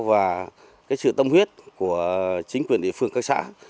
và sự tâm huyết của chính quyền địa phương các xã